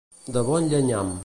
De bon llenyam.